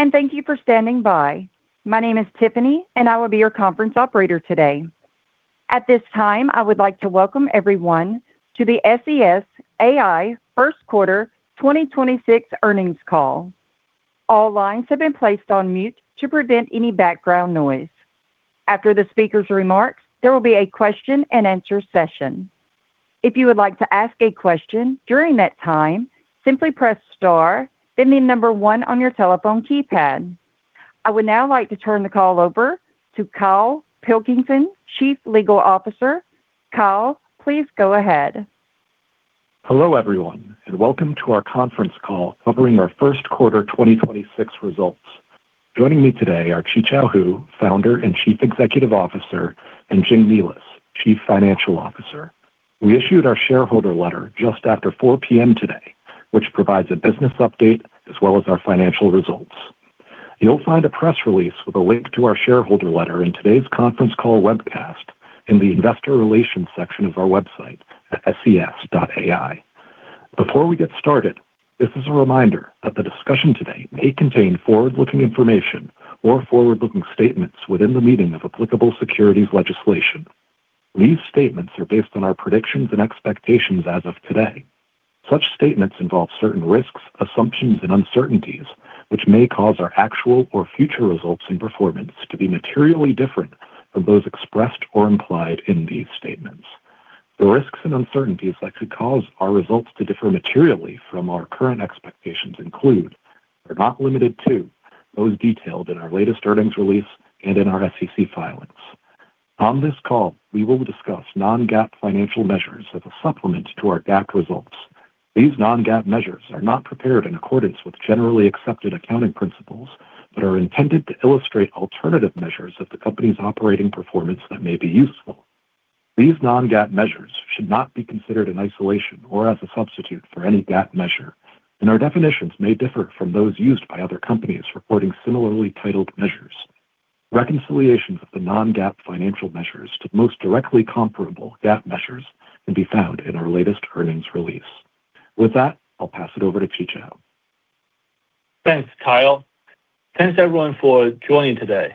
Hello, and thank you for standing by. My name is Tiffany, and I will be your conference operator today. At this time, I would like to welcome everyone to the SES AI Q1 2026 Earnings Call. All lines have been placed on mute to prevent any background noise. After the speaker's remarks, there will be a question and answer session. If you would like to ask a question during that time, simply press star, then the number one on your telephone keypad. I would now like to turn the call over to Kyle Pilkington, Chief Legal Officer. Kyle, please go ahead. Hello, everyone, and welcome to our conference call covering our Q1 2026 results. Joining me today are Qichao Hu, Founder and Chief Executive Officer, and Jing Nealis, Chief Financial Officer. We issued our shareholder letter just after 4:00 P.M. today, which provides a business update as well as our financial results. You'll find a press release with a link to our shareholder letter in today's conference call webcast in the investor relations section of our website at ses.ai. Before we get started, this is a reminder that the discussion today may contain forward-looking information or forward-looking statements within the meaning of applicable securities legislation. These statements are based on our predictions and expectations as of today. Such statements involve certain risks, assumptions, and uncertainties, which may cause our actual or future results and performance to be materially different from those expressed or implied in these statements. The risks and uncertainties that could cause our results to differ materially from our current expectations include, but are not limited to, those detailed in our latest earnings release and in our SEC filings. On this call, we will discuss non-GAAP financial measures as a supplement to our GAAP results. These non-GAAP measures are not prepared in accordance with generally accepted accounting principles but are intended to illustrate alternative measures of the company's operating performance that may be useful. These non-GAAP measures should not be considered in isolation or as a substitute for any GAAP measure, and our definitions may differ from those used by other companies reporting similarly titled measures. Reconciliations of the non-GAAP financial measures to the most directly comparable GAAP measures can be found in our latest earnings release. With that, I'll pass it over to Qichao. Thanks, Kyle. Thanks, everyone, for joining today.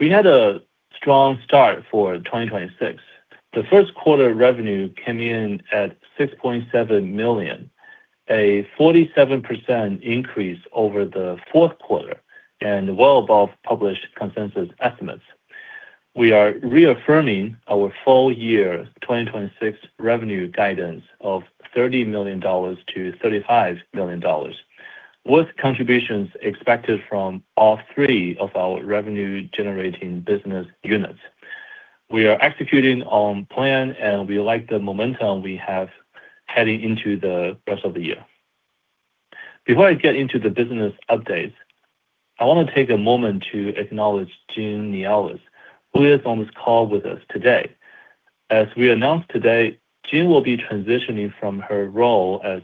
We had a strong start for 2026. The Q1 revenue came in at $6.7 million, a 47% increase over the Q4 and well above published consensus estimates. We are reaffirming our full year 2026 revenue guidance of $30 million to $35 million, with contributions expected from all three of our revenue-generating business units. We are executing on plan, and we like the momentum we have heading into the rest of the year. Before I get into the business updates, I want to take a moment to acknowledge Jing Nealis, who is on this call with us today. As we announced today, Jing will be transitioning from her role as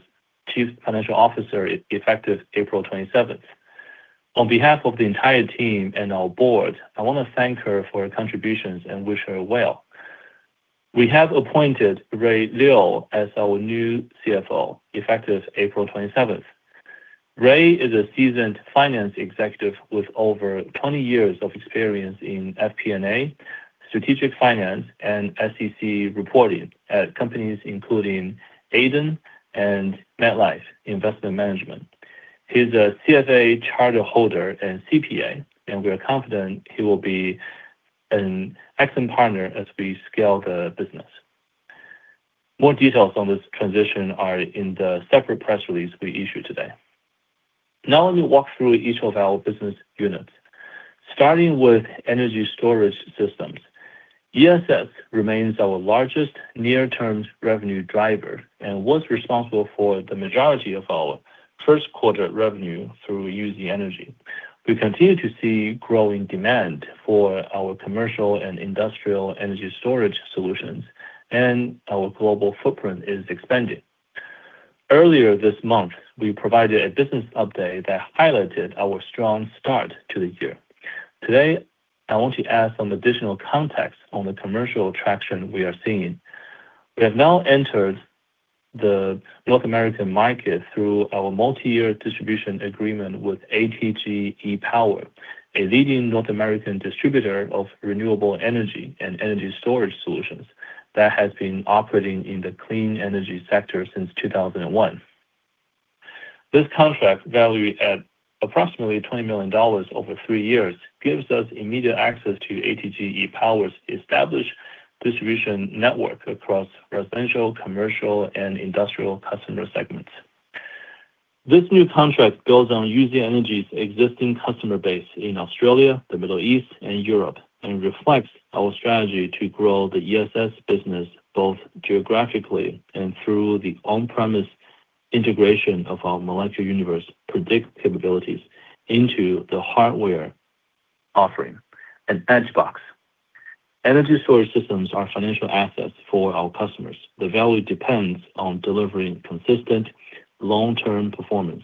Chief Financial Officer effective April 27th. On behalf of the entire team and our board, I want to thank her for her contributions and wish her well. We have appointed Ray Liu as our new CFO effective April 27th. Ray is a seasoned finance executive with over 20 years of experience in FP&A, strategic finance, and SEC reporting at companies including Aiden and MetLife Investment Management. He's a CFA charterholder and CPA, and we are confident he will be an excellent partner as we scale the business. More details on this transition are in the separate press release we issued today. Now let me walk through each of our business units. Starting with energy storage systems. ESS remains our largest near-term revenue driver and was responsible for the majority of our Q1 revenue through UZ Energy. We continue to see growing demand for our commercial and industrial energy storage solutions, and our global footprint is expanding. Earlier this month, we provided a business update that highlighted our strong start to the year. Today, I want to add some additional context on the commercial traction we are seeing. We have now entered the North American market through our multi-year distribution agreement with AT-G E-Power, a leading North American distributor of renewable energy and energy storage solutions that has been operating in the clean energy sector since 2001. This contract, valued at approximately $20 million over three years, gives us immediate access to AT-G E-Power's established distribution network across residential, commercial, and industrial customer segments. This new contract builds on UZ Energy's existing customer base in Australia, the Middle East, and Europe, and reflects our strategy to grow the ESS business both geographically and through the on-premise integration of our Molecular Universe Predict capabilities into the hardware offering and Edge Box. Energy storage systems are financial assets for our customers. The value depends on delivering consistent long-term performance.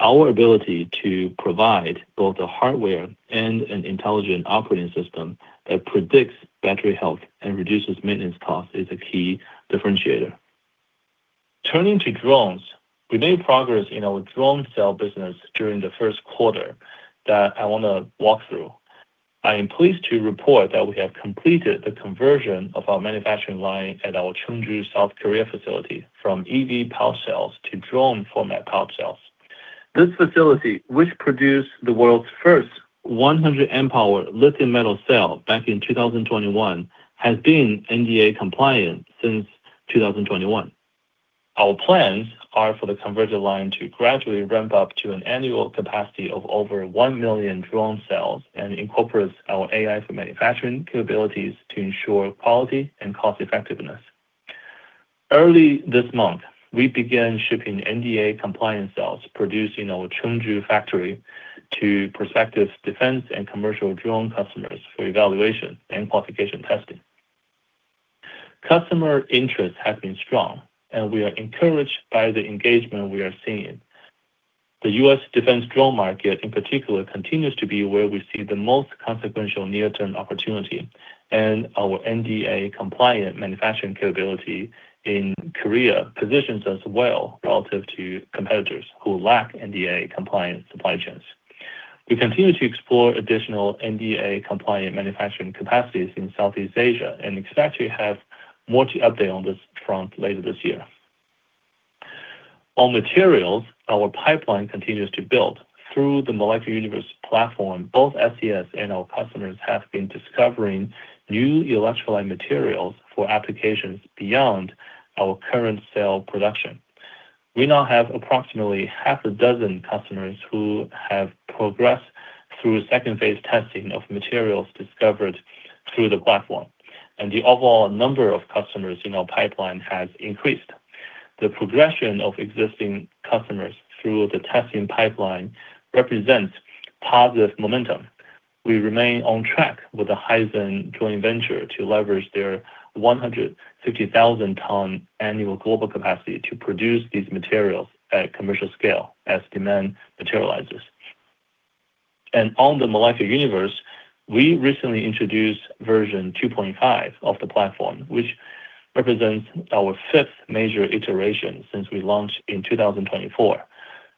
Our ability to provide both the hardware and an intelligent operating system that predicts battery health and reduces maintenance costs is a key differentiator. Turning to drones, we made progress in our drone cell business during the Q1 that I want to walk through. I am pleased to report that we have completed the conversion of our manufacturing line at our Chungju, South Korea facility from EV power cells to drone format power cells. This facility, which produced the world's first 100 amp-hour lithium metal cell back in 2021, has been NDAA compliant since 2021. Our plans are for the converted line to gradually ramp up to an annual capacity of over 1 million drone cells and incorporates our AI for manufacturing capabilities to ensure quality and cost effectiveness. Early this month, we began shipping NDAA compliance cells produced in our Chungju factory to prospective defense and commercial drone customers for evaluation and qualification testing. Customer interest has been strong, and we are encouraged by the engagement we are seeing. The U.S. Defense drone market in particular continues to be where we see the most consequential near-term opportunity, and our NDAA-compliant manufacturing capability in Korea positions us well relative to competitors who lack NDAA-compliant supply chains. We continue to explore additional NDAA-compliant manufacturing capacities in Southeast Asia and expect to have more to update on this front later this year. On materials, our pipeline continues to build. Through the Molecular Universe platform, both SES and our customers have been discovering new electrolyte materials for applications beyond our current cell production. We now have approximately half dozen customers who have progressed through second phase testing of materials discovered through the platform, and the overall number of customers in our pipeline has increased. The progression of existing customers through the testing pipeline represents positive momentum. We remain on track with the Heisen joint venture to leverage their 150,000-ton annual global capacity to produce these materials at commercial scale as demand materializes. On the Molecular Universe, we recently introduced version 2.5 of the platform, which represents our fifth major iteration since we launched in 2024.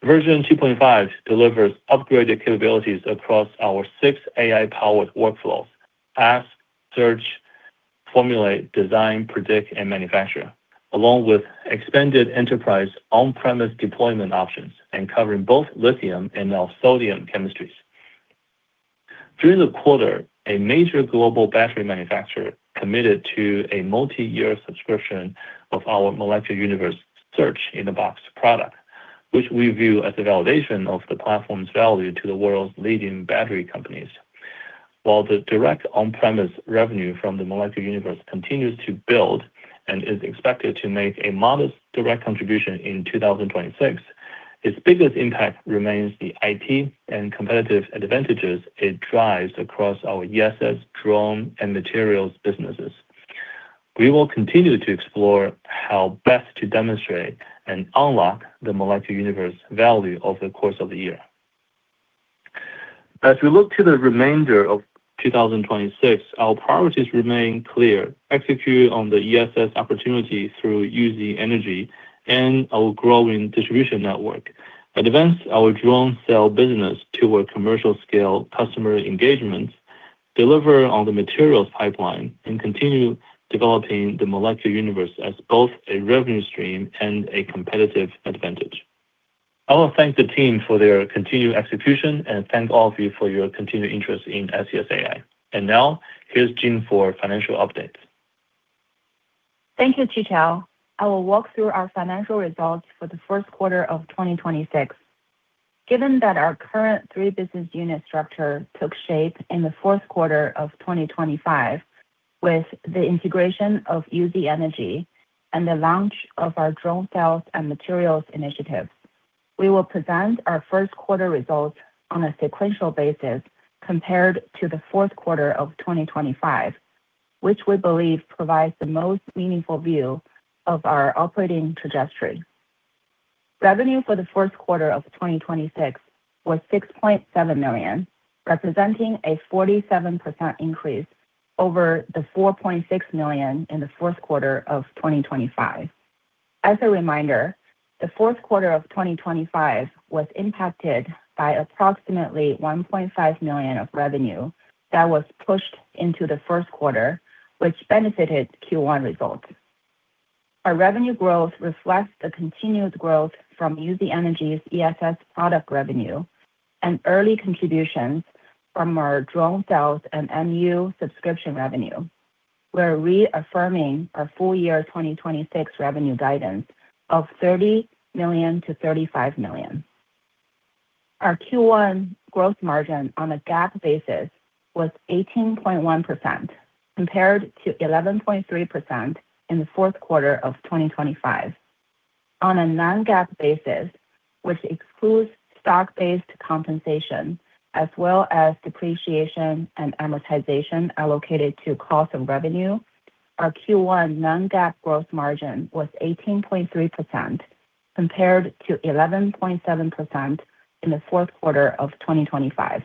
Version 2.5 delivers upgraded capabilities across our six AI-powered workflows: ask, search, formulate, design, predict, and manufacture. Along with expanded enterprise on-premise deployment options and covering both lithium and now sodium chemistries. During the quarter, a major global battery manufacturer committed to a multi-year subscription of our Molecular Universe Search in a Box product, which we view as a validation of the platform's value to the world's leading battery companies. While the direct on-premise revenue from the Molecular Universe continues to build and is expected to make a modest direct contribution in 2026, its biggest impact remains the IT and competitive advantages it drives across our ESS, drone, and materials businesses. We will continue to explore how best to demonstrate and unlock the Molecular Universe value over the course of the year. As we look to the remainder of 2026, our priorities remain clear. Execute on the ESS opportunity through UZ Energy and our growing distribution network. Advance our drone cell business toward commercial scale customer engagements, deliver on the materials pipeline, and continue developing the Molecular Universe as both a revenue stream and a competitive advantage. I want to thank the team for their continued execution and thank all of you for your continued interest in SES AI. Now here's Jing for financial updates. Thank you, Qichao Hu. I will walk through our financial results for the Q1 of 2026. Given that our current three business unit structure took shape in the Q4 of 2025 with the integration of UZ Energy and the launch of our drone cells and materials initiatives, we will present our Q1 results on a sequential basis compared to the Q4 of 2025, which we believe provides the most meaningful view of our operating trajectory. Revenue for the Q1 of 2026 was $6.7 million, representing a 47% increase over the $4.6 million in the Q4 of 2025. As a reminder, the Q4 of 2025 was impacted by approximately $1.5 million of revenue that was pushed into the Q1, which benefited Q1 results. Our revenue growth reflects the continued growth from UZ Energy's ESS product revenue and early contributions from our drone cells and MU subscription revenue. We're reaffirming our full year 2026 revenue guidance of $30 million to $35 million. Our Q1 gross margin on a GAAP basis was 18.1%, compared to 11.3% in the Q4 of 2025. On a non-GAAP basis, which excludes stock-based compensation as well as depreciation and amortization allocated to cost of revenue, our Q1 non-GAAP gross margin was 18.3%, compared to 11.7% in the Q4 of 2025.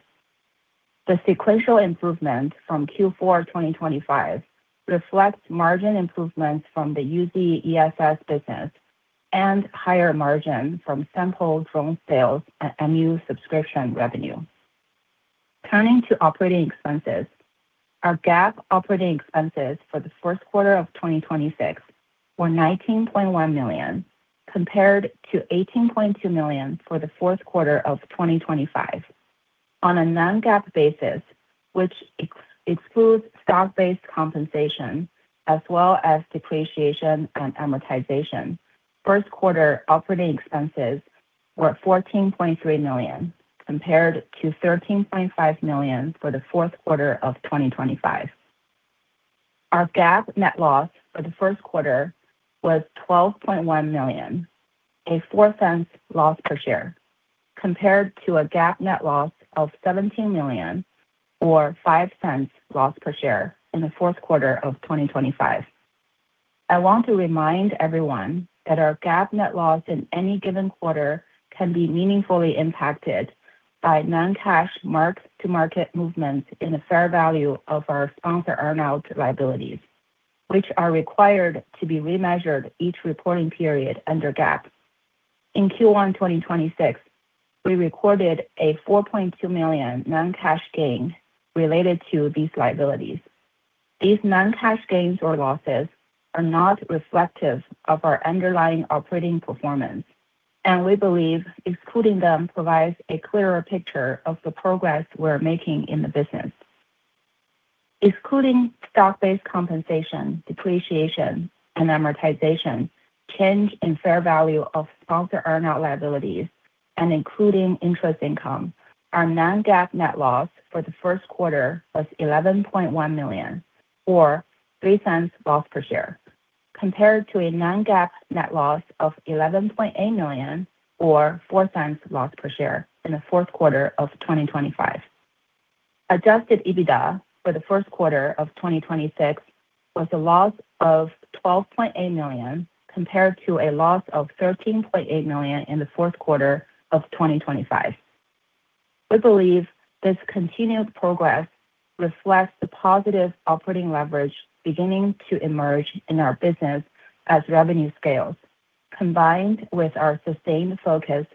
The sequential improvement from Q4 2025 reflects margin improvements from the UZ ESS business and higher margin from sampled drone sales and MU subscription revenue. Turning to operating expenses, our GAAP operating expenses for the Q1 of 2026 were $19.1 million, compared to $18.2 million for the Q4 of 2025. On a non-GAAP basis, which excludes stock-based compensation as well as depreciation and amortization, Q1 operating expenses were $14.3 million, compared to $13.5 million for the Q4 of 2025. Our GAAP net loss for the Q1 was $12.1 million, a $0.04 loss per share, compared to a GAAP net loss of $17 million or $0.05 loss per share in the Q4 of 2025. I want to remind everyone that our GAAP net loss in any given quarter can be meaningfully impacted by non-cash mark-to-market movements in the fair value of our sponsor earn-out liabilities, which are required to be remeasured each reporting period under GAAP. In Q1 2026, we recorded a $4.2 million non-cash gain related to these liabilities. These non-cash gains or losses are not reflective of our underlying operating performance, and we believe excluding them provides a clearer picture of the progress we're making in the business. Excluding stock-based compensation, depreciation and amortization, change in fair value of Sponsor Earn-Out Liabilities, and including interest income, our non-GAAP net loss for the Q1 was $11.1 million, or $0.03 Loss per share, compared to a non-GAAP net loss of $11.8 million or $0.04 Loss per share in the Q4 of 2025. Adjusted EBITDA for the Q1 of 2026 was a loss of $12.8 million, compared to a loss of $13.8 million in the Q4 of 2025. We believe this continued progress reflects the positive operating leverage beginning to emerge in our business as revenue scales, combined with our sustained focus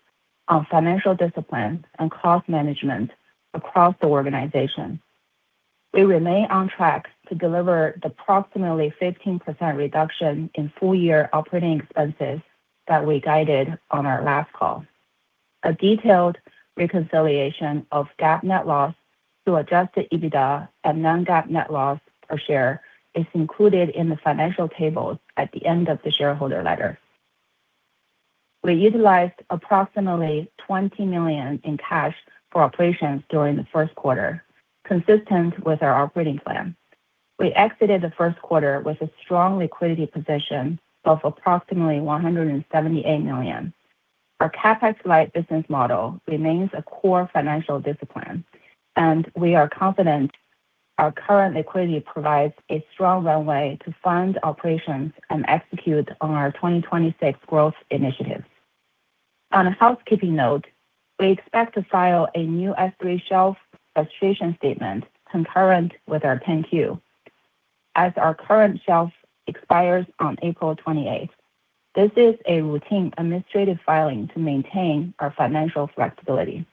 on financial discipline and cost management across the organization. We remain on track to deliver the approximately 15% reduction in full year operating expenses that we guided on our last call. A detailed reconciliation of GAAP net loss to adjusted EBITDA and non-GAAP net loss per share is included in the financial tables at the end of the shareholder letter. We utilized approximately $20 million in cash for operations during the Q1, consistent with our operating plan. We exited the Q1 with a strong liquidity position of approximately $178 million. Our CapEx-light business model remains a core financial discipline, and we are confident our current liquidity provides a strong runway to fund operations and execute on our 2026 growth initiatives. On a housekeeping note, we expect to file a new S3 shelf registration statement concurrent with our 10-Q, as our current shelf expires on April 28th. This is a routine administrative filing to maintain our financial flexibility.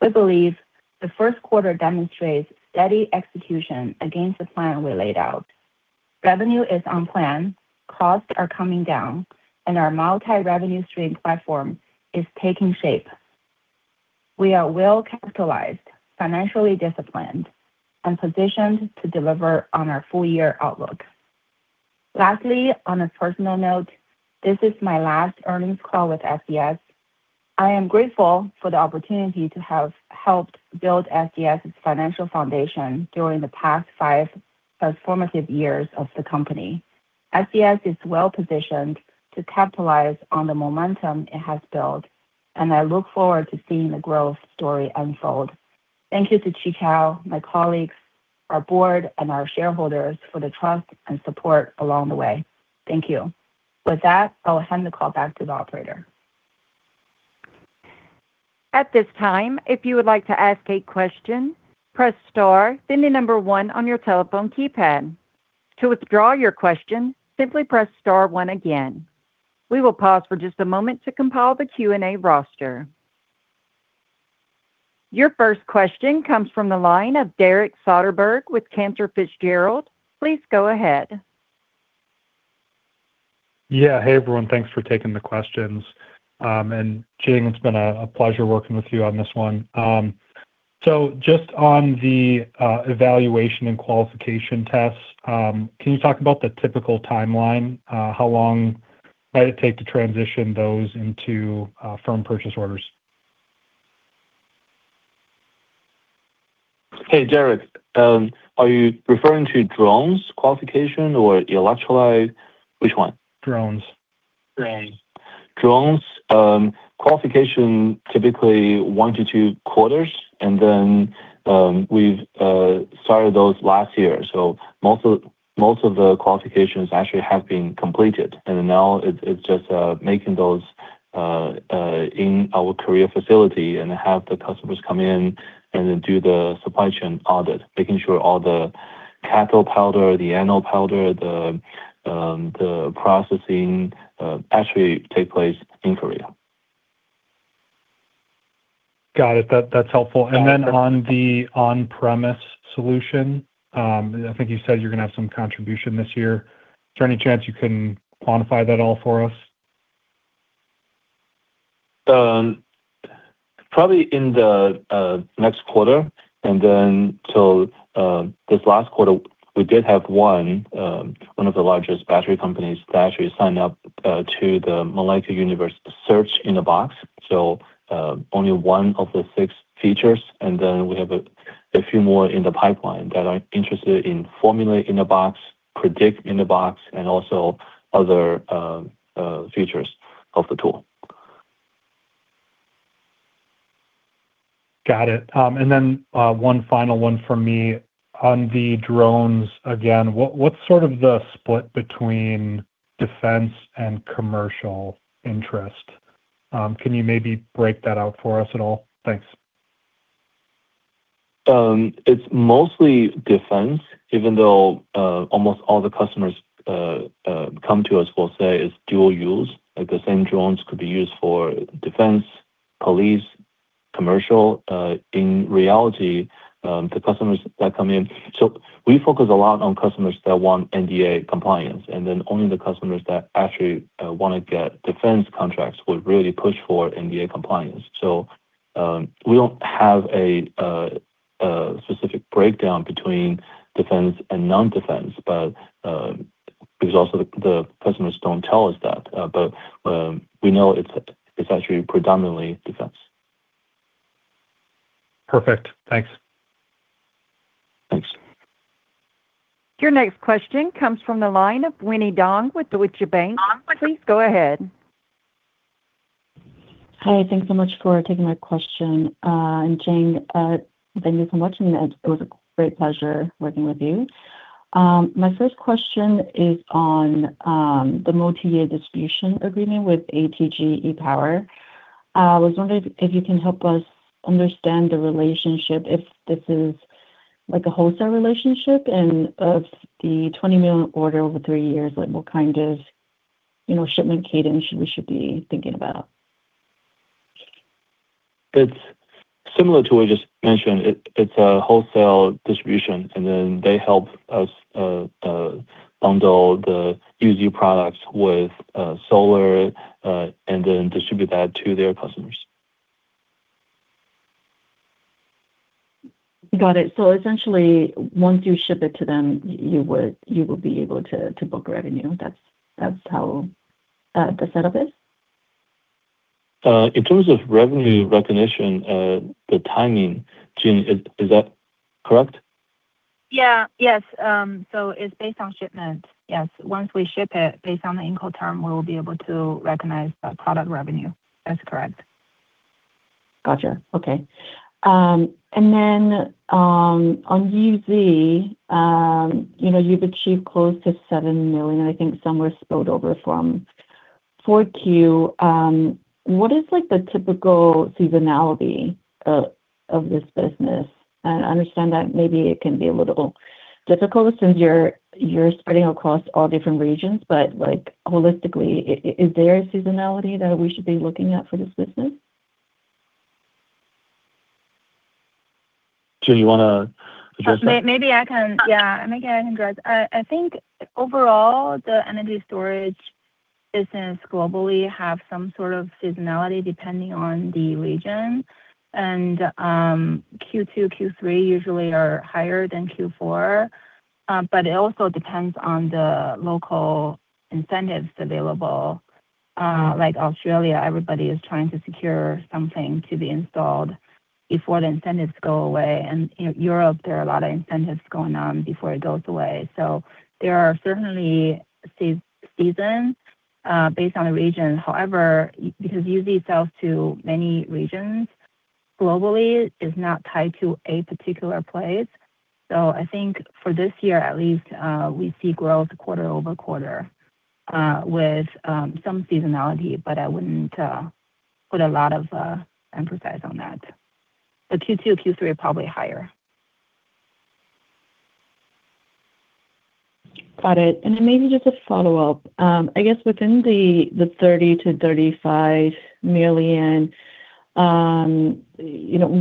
We believe the Q1 demonstrates steady execution against the plan we laid out. Revenue is on plan, costs are coming down, and our multi-revenue stream platform is taking shape. We are well-capitalized, financially disciplined, and positioned to deliver on our full year outlook. Lastly, on a personal note, this is my last earnings call with SES. I am grateful for the opportunity to have helped build SES's financial foundation during the past five transformative years of the company. SES is well-positioned to capitalize on the momentum it has built, and I look forward to seeing the growth story unfold. Thank you to Qichao Hu, my colleagues, our board, and our shareholders for the trust and support along the way. Thank you. With that, I'll hand the call back to the operator. At this time, if you would like to ask a question, press star, then one on your telephone keypad. To withdraw your question, simply press star one again. We will pause for just a moment to compile the Q&A roster. Your first question comes from the line of Derek Soderberg with Cantor Fitzgerald. Please go ahead. Yeah. Hey, everyone. Thanks for taking the questions. Jing, it's been a pleasure working with you on this one. Just on the evaluation and qualification tests, can you talk about the typical timeline? How long might it take to transition those into firm purchase orders? Hey, Derek. Are you referring to drones qualification or electrolyte? Which one? Drones. Drones qualification, typically one-two quarters, and then we've started those last year. Most of the qualifications actually have been completed, and now it's just making those In our Korea facility and have the customers come in and then do the supply chain audit, making sure all the cathode powder, the anode powder, the processing actually take place in Korea. Got it. That's helpful. On the on-premise solution, I think you said you're going to have some contribution this year. Is there any chance you can quantify that all for us? Probably in the next quarter. This last quarter we did have one of the largest battery companies that actually signed up to the Molecular Universe Search in a Box. Only one of the six features, and then we have a few more in the pipeline that are interested in Formula in a Box, Predict in a Box, and also other features of the tool. Got it. One final one from me on the drones again. What's sort of the split between defense and commercial interest? Can you maybe break that out for us at all? Thanks. It's mostly defense. Even though almost all the customers come to us will say it's dual use, like the same drones could be used for defense, police, commercial. In reality, the customers that come in we focus a lot on customers that want NDAA compliance, and then only the customers that actually want to get defense contracts would really push for NDAA compliance. We don't have a specific breakdown between defense and non-defense, but because also the customers don't tell us that. We know it's actually predominantly defense. Perfect. Thanks. Thanks. Your next question comes from the line of Winnie Dong with Deutsche Bank. Please go ahead. Hi, thanks so much for taking my question. Jing, thank you so much, and it was a great pleasure working with you. My first question is on the multi-year distribution agreement with AT-G E-Power. I was wondering if you can help us understand the relationship, if this is like a wholesale relationship in the $20 million order over three years, what kind of shipment cadence we should be thinking about? It's similar to what I just mentioned. It's a wholesale distribution, and then they help us bundle the UZ products with solar, and then distribute that to their customers. Got it. Essentially, once you ship it to them, you will be able to book revenue. That's how the setup is? In terms of revenue recognition, the timing, Jing, is that correct? Yeah. Yes. It's based on shipment. Yes. Once we ship it, based on the Incoterm, we will be able to recognize product revenue. That's correct. Got you. Okay. On UZ, you've achieved close to $7 million, and I think some were spilled over from Q4. What is the typical seasonality of this business? I understand that maybe it can be a little difficult since you're spreading across all different regions, but holistically, is there a seasonality that we should be looking at for this business? Jing, you want to address that? Maybe I can. Yeah, maybe I can address. I think overall, the energy storage business globally has some sort of seasonality depending on the region. Q2, Q3 usually are higher than Q4. It also depends on the local incentives available. Like Australia, everybody is trying to secure something to be installed before the incentives go away. In Europe, there are a lot of incentives going on before it goes away. There are certainly seasons based on the region. However, because UZ sells to many regions globally is not tied to a particular place. I think for this year at least, we see growth quarter-over-quarter, with some seasonality, but I wouldn't put a lot of emphasis on that. Q2, Q3 are probably higher. Got it. Maybe just a follow-up. I guess within the $30 million to $35 million,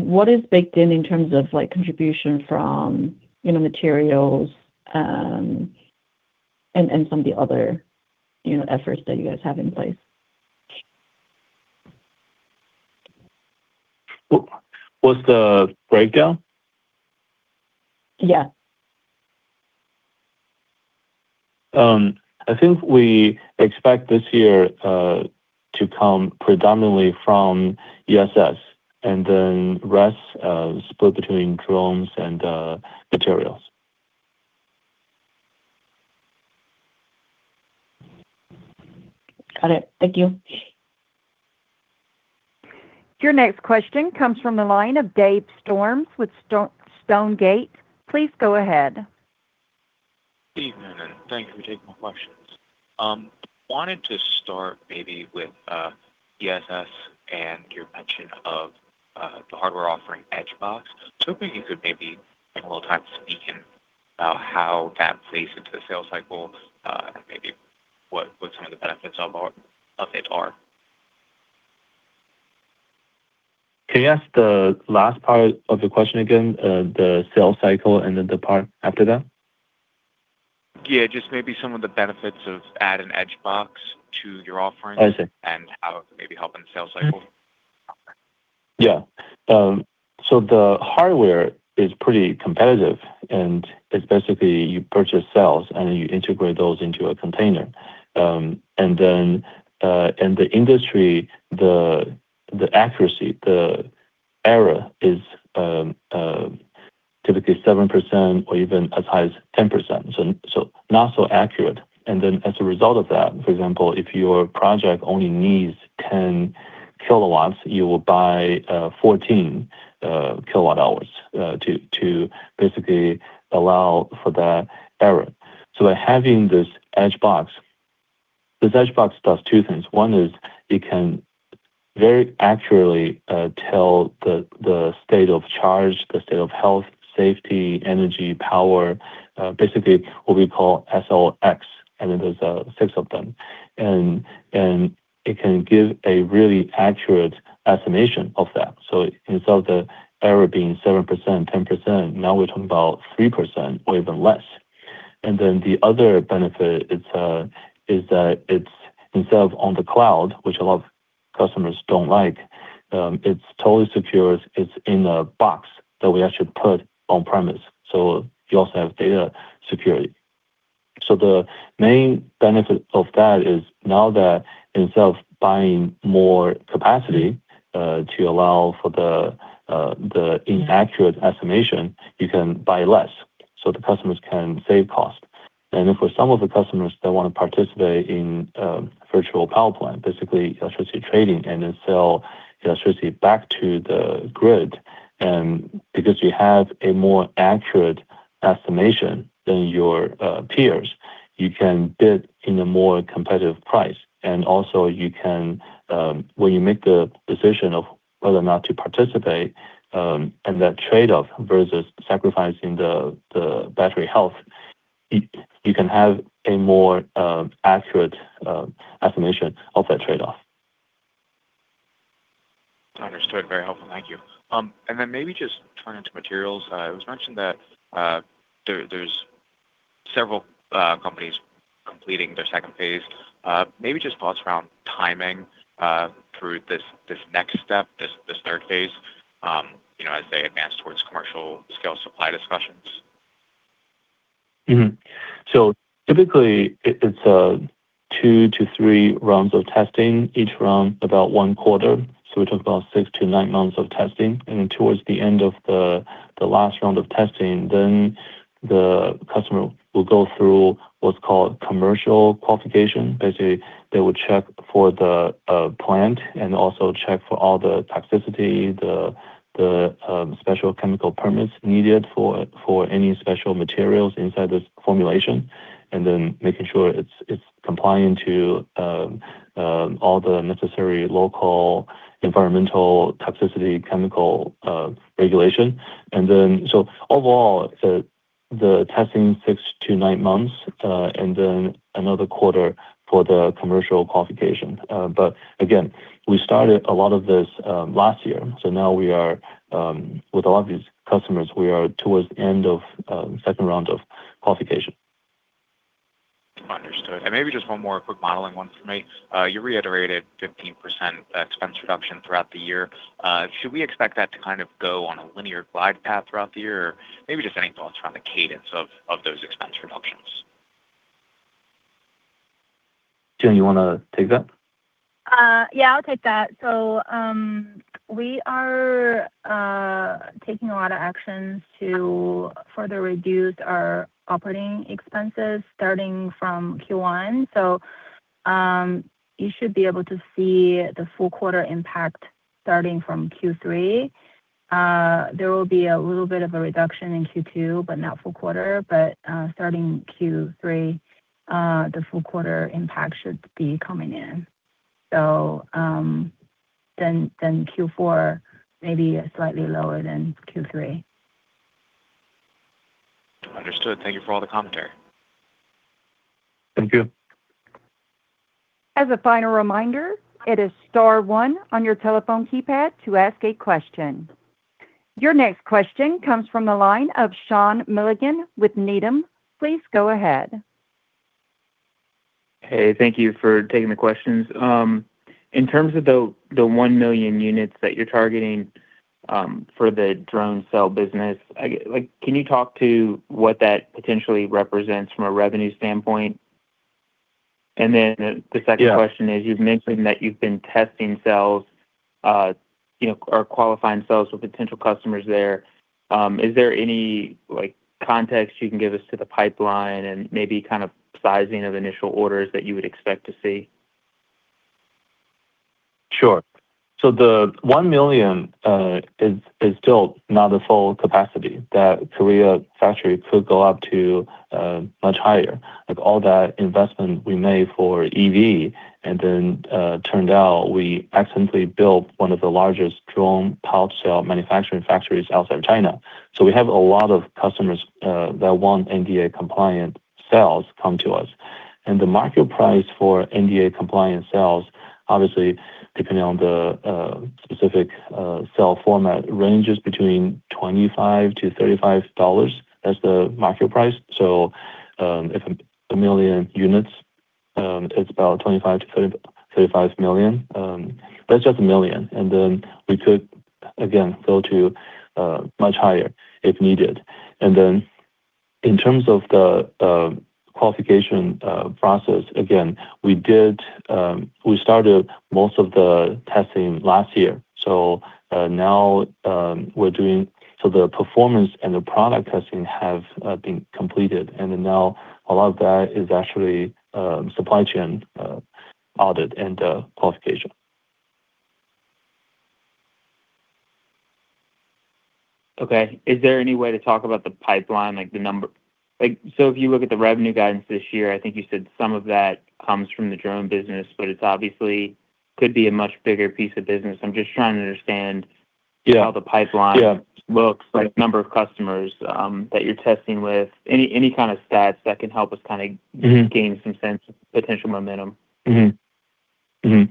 what is baked in terms of contribution from materials and some of the other efforts that you guys have in place? What's the breakdown? Yeah. I think we expect this year to come predominantly from ESS and then rest split between drones and materials. Got it. Thank you. Your next question comes from the line of Dave Storms with Stonegate. Please go ahead. Evening, thank you for taking my questions. Wanted to start maybe with ESS and your mention of the hardware offering Edge Box. Was hoping you could maybe spend a little time speaking about how that plays into the sales cycle and maybe what some of the benefits of it are. Can you ask the last part of the question again, the sales cycle and then the part after that? Yeah, just maybe some of the benefits of adding Edge Box to your offerings. I see. How it may be helping the sales cycle. The hardware is pretty competitive, and it's basically you purchase cells, and then you integrate those into a container. In the industry, the accuracy, the error is typically 7% or even as high as 10%, so not so accurate. As a result of that, for example, if your project only needs 10 kW, you will buy 14 kWh to basically allow for that error. By having this Edge Box, this Edge Box does two things. One is it can very accurately tell the state of charge, the state of health, safety, energy, power, basically what we call SOX, and then there are six of them. It can give a really accurate estimation of that. Instead of the error being 7%, 10%, now we're talking about 3% or even less. The other benefit is that it's instead of on the cloud, which a lot of customers don't like, it's totally secure. It's in a box that we actually put on-premises, so you also have data security. The main benefit of that is now that instead of buying more capacity to allow for the inaccurate estimation, you can buy less, so the customers can save cost. For some of the customers that want to participate in virtual power plant, basically electricity trading and then sell electricity back to the grid, because you have a more accurate estimation than your peers, you can bid in a more competitive price. When you make the decision of whether or not to participate in that trade-off versus sacrificing the battery health, you can have a more accurate estimation of that trade-off. Understood. Very helpful. Thank you. Maybe just turning to materials. It was mentioned that there's several companies completing their second phase. Maybe just thoughts around timing, through this next step, this third phase as they advance towards commercial scale supply discussions. Typically it's two-three rounds of testing, each round about one quarter. We talk about six-nine months of testing. Then towards the end of the last round of testing, then the customer will go through what's called commercial qualification. Basically, they will check for the plant and also check for all the toxicity, the special chemical permits needed for any special materials inside this formulation, and then making sure it's compliant to all the necessary local environmental toxicity, chemical regulation. Overall, the testing six-nine months, and then another quarter for the commercial qualification. Again, we started a lot of this last year, so now with a lot of these customers, we are towards the end of the second round of qualification. Understood. Maybe just one more quick modeling one for me. You reiterated 15% expense reduction throughout the year. Should we expect that to go on a linear glide path throughout the year? Maybe just any thoughts around the cadence of those expense reductions? Jing Nealis, you want to take that? Yeah, I'll take that. We are taking a lot of actions to further reduce our operating expenses starting from Q1. You should be able to see the full quarter impact starting from Q3. There will be a little bit of a reduction in Q2, but not full quarter. Starting Q3, the full quarter impact should be coming in. Q4 may be slightly lower than Q3. Understood. Thank you for all the commentary. Thank you. As a final reminder, it is star one on your telephone keypad to ask a question. Your next question comes from the line of Sean Milligan with Needham. Please go ahead. Hey, thank you for taking the questions. In terms of the 1 million units that you're targeting for the drone cell business, can you talk to what that potentially represents from a revenue standpoint? The second question is, you've mentioned that you've been testing cells, or qualifying cells with potential customers there. Is there any context you can give us to the pipeline and maybe sizing of initial orders that you would expect to see? Sure. The 1 million is still not the full capacity. That Korea factory could go up to much higher. All that investment we made for EV, and then turned out we accidentally built one of the largest drone pouch cell manufacturing factories outside China. We have a lot of customers that want NDAA compliant cells come to us. The market price for NDAA compliant cells, obviously depending on the specific cell format, ranges between $25-$35. That's the market price. If 1 million units, it's about $25 million-$35 million. That's just 1 million, and then we could, again, go to much higher if needed. In terms of the qualification process, again, we started most of the testing last year, so the performance and the product testing have been completed, and then now a lot of that is actually supply chain audit and qualification. Okay. Is there any way to talk about the pipeline? If you look at the revenue guidance this year, I think you said some of that comes from the drone business, but it obviously could be a much bigger piece of business. I'm just trying to understand. Yeah How the pipeline looks, like number of customers that you're testing with. Any kind of stats that can help us gain some sense of potential momentum. We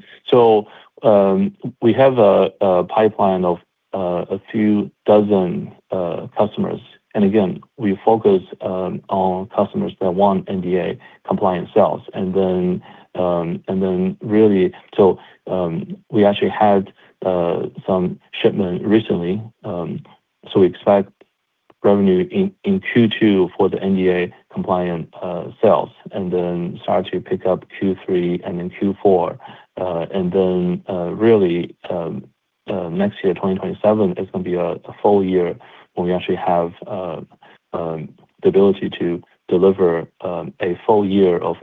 have a pipeline of a few dozen customers, and again, we focus on customers that want NDAA compliant cells. We actually had some shipment recently, so we expect revenue in Q2 for the NDAA compliant cells, and then start to pick up Q3 and then Q4. Next year, 2027, is going to be a full year when we actually have the ability to deliver a full year of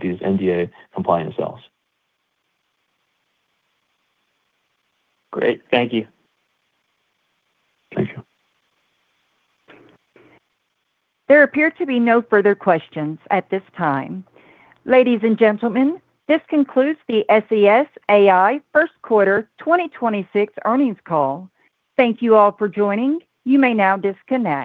these NDAA compliant cells. Great. Thank you. Thank you. There appear to be no further questions at this time. Ladies and gentlemen, this concludes the SES AI Q1 2026 earnings call. Thank you all for joining. You may now disconnect.